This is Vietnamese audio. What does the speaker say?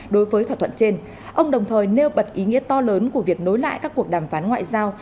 đối với thỏa thuận trên ông đồng thời nêu bật ý nghĩa to lớn của việc nối lại các cuộc đàm phán ngoại giao